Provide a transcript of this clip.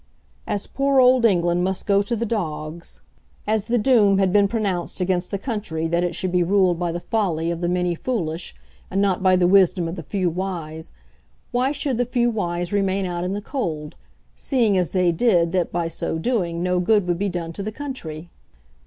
As poor old England must go to the dogs, as the doom had been pronounced against the country that it should be ruled by the folly of the many foolish, and not by the wisdom of the few wise, why should the few wise remain out in the cold, seeing, as they did, that by so doing no good would be done to the country?